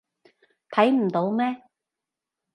睇唔到咩？